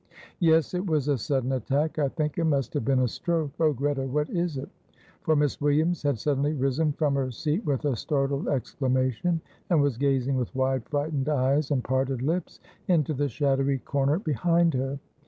"Yes; it was a sudden attack I think it must have been a stroke. Oh, Greta, what is it?" for Miss Williams had suddenly risen from her seat with a startled exclamation and was gazing with wide, frightened eyes and parted lips into the shadowy corner behind her.